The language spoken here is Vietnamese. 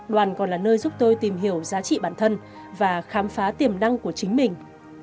đoàn còn là nơi giúp tôi tìm hiểu giá trị bản thân và khám phá tiềm năng của chính mình